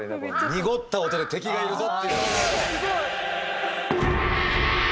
濁った音で敵がいるぞっていう。